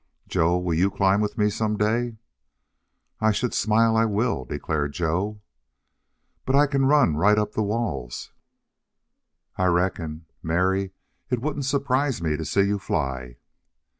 "Joe, will YOU climb with me some day?" "I should smile I will," declared Joe. "But I can run right up the walls." "I reckon. Mary, it wouldn't surprise me to see you fly."